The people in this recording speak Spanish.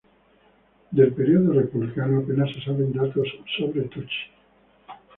Del periodo republicano, apenas se saben datos sobre Tucci.